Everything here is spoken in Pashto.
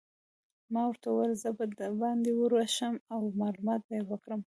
ما ورته وویل: زه به دباندې ورشم او معلومات به يې وکړم.